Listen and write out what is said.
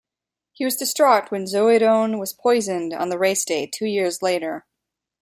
He was distraught when Zoedone was poisoned on the race day two years later.